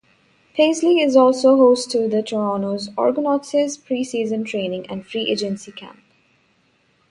Paisley is also host to the Toronto Argonauts' pre-season training and free agency camp.